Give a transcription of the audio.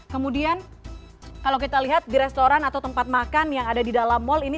kemudian kalau kita lihat di restoran atau tempat makan yang ada di dalam mal ini